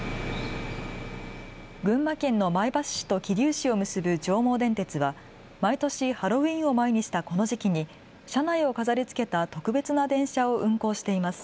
群馬県の前橋市と桐生市を結ぶ上毛電鉄は毎年、ハロウィーンを前にしたこの時期に車内を飾りつけた特別な電車を運行しています。